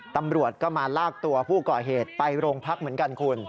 ตำรวจก็มาลากตัวผู้ก่อเหตุไปโรงพักเหมือนกันคุณ